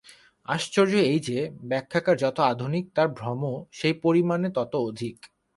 আশ্চর্য এই যে, ব্যাখ্যাকার যত আধুনিক, তাঁহার ভ্রমও সেই পরিমাণে তত অধিক।